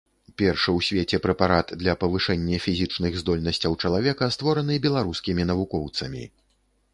Першы ў свеце прэпарат для павышэння фізічных здольнасцяў чалавека створаны беларускімі навукоўцамі.